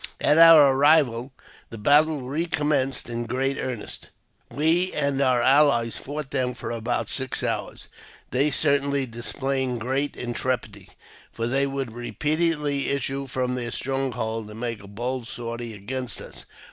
At our arrival, the battle recommenced in good earnest. We and our allies fought them for about six hours, they certainly displaying great intrepidity, for they would repeatedly issue from their stronghold and make a bold sortie against us.